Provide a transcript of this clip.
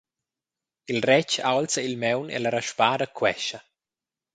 Il retg aulza il maun e la raspada quescha.